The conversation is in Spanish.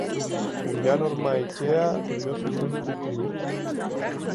Julián Hormaechea vio su sueño cumplido.